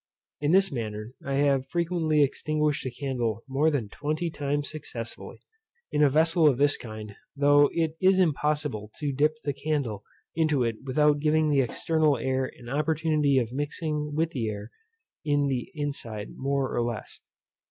In this manner I have frequently extinguished a candle more than twenty times successively, in a vessel of this kind, though it is impossible to dip the candle into it without giving the external air an opportunity of mixing with the air in the inside more or less.